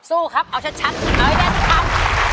สู้ครับเอาชัดหน่อยได้ครับ